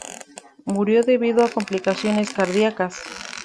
Murió debido a complicaciones cardíacas.